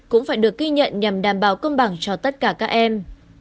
cũng phải được ghi nhận nhằm đảm bảo công bằng cho tất cả các em